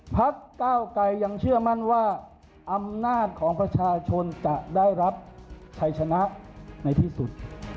พักเก้าไกรยังเชื่อมั่นว่าอำนาจของประชาชนจะได้รับชัยชนะในที่สุด